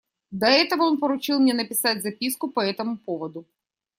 До этого он поручил мне написать записку по этому поводу.